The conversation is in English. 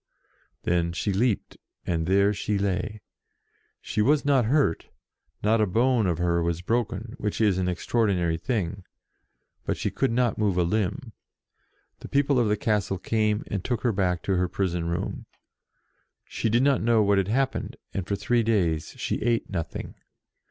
Then she leaped, and there she lay. She was not hurt, not a bone of her was broken, which is an extraordinary thing, but she could not move a limb. The people of the castle came and took her back to her prison room. She did not know what had happened, and for three days she ate nothing.